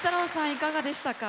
いかがでしたか？